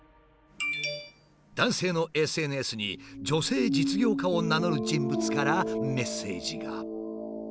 男性のＳＮＳに女性実業家を名乗る人物からメッセージが。